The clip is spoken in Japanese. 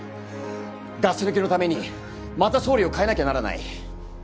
ガス抜きのためにまた総理を替えなきゃならない？